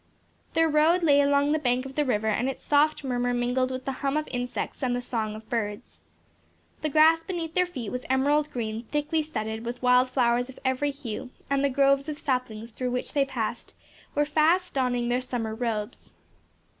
Their road lay along the bank of the river and its soft murmur mingled with the hum of insects and the song of birds. The grass beneath their feet was emerald green thickly studded with wild flowers of every hue, and the groves of saplings through which they passed were fast donning their summer robes.